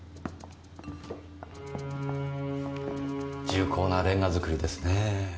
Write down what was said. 重厚なレンガ造りですねぇ。